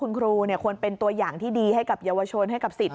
คุณครูควรเป็นตัวอย่างที่ดีให้กับเยาวชนให้กับสิทธิ